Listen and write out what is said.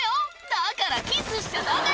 「だからキスしちゃダメ！」